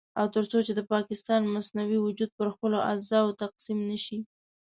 او تر څو چې د پاکستان مصنوعي وجود پر خپلو اجزاوو تقسيم نه شي.